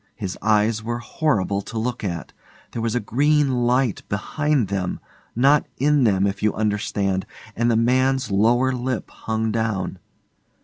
His eyes were horrible to look at. There was a green light behind them, not in them, if you understand, and the man's lower lip hung down.